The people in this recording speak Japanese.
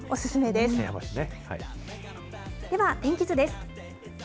では天気図です。